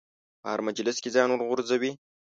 په هر مجلس ځان ورغورځوي.